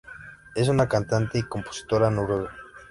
Es una cantante y compositora noruega.